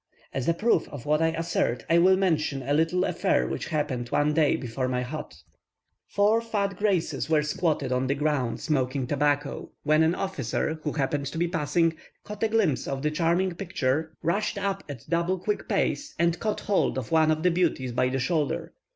As a proof of what I assert, I will mention a little affair which happened one day before my hut. Four fat graces were squatted on the ground smoking tobacco, when an officer, who happened to be passing, caught a glimpse of the charming picture, rushed up at double quick pace and caught hold of one of the beauties by the shoulder.